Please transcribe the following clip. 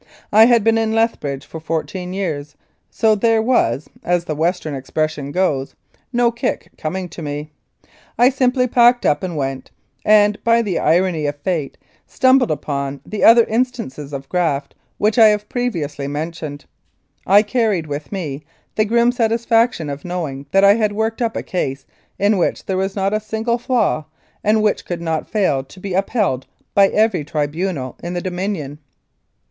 I had been in Lethbridge for fourteen years, so there was, as the Western expression goes, "no kick coming to me." I simply packed up and went, and, by the irony of fate, stumbled upon the other instances of graft which I have previously mentioned. I carried with me the grim satisfaction of knowing that I had worked up a case in which there was not a single flaw, and which could not fail to be upheld by every tribunal in the Dominion.